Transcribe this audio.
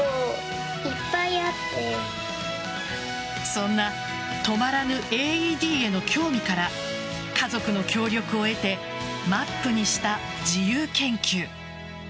そんな止まらぬＡＥＤへの興味から家族の協力を得てマップにした自由研究。